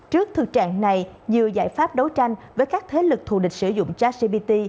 trước thực trạng này nhiều giải pháp đấu tranh với các thế lực thủ địch sử dụng jack j p t